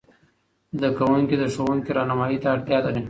زده کوونکي د ښوونکې رهنمايي ته اړتیا لري.